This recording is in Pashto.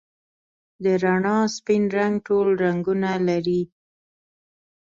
د رڼا سپین رنګ ټول رنګونه لري.